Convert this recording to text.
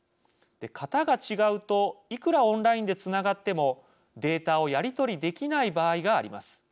型が違うといくらオンラインでつながってもデータをやりとりできない場合があります。